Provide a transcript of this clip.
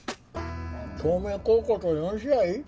京明高校と４試合？